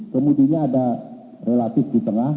kemudinya ada relatif di tengah